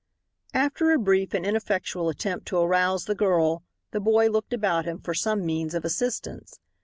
After a brief and ineffectual attempt to arouse the girl the boy looked about him for some means of assistance.